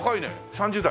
３０代？